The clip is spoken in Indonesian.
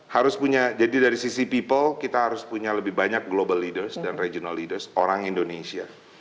harus punya jadi dari sisi people kita harus punya lebih banyak global leaders dan regional leaders orang indonesia